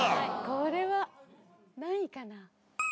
これは何位かな？